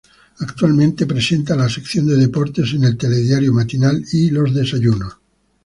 Actualmente presenta la sección de deportes, en el Telediario Matinal y Los Desayunos.